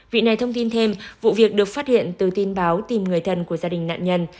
vị này thông tin thêm vụ việc được phát hiện từ tin báo tìm người thân của gia đình nạn nhân